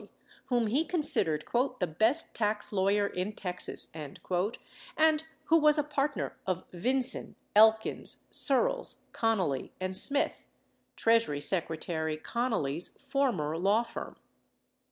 716 whom he considered "the best tax lawyer in Texas" and who was a partner of Vinson, Elkins, Searls, Connally & Smith, Treasury Secretary Connally's former law firm.